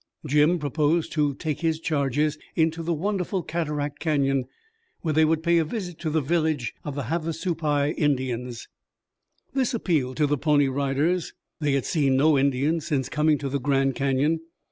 Jim proposed to take his charges into the wonderful Cataract Canyon, where they would pay a visit to the village of the Havasupai Indians. This appealed to the Pony Riders. They had seen no Indians since coming to the Grand Canyon.